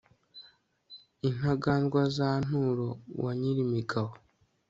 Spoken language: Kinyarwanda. intaganzwa za nturo wa nyirimigabo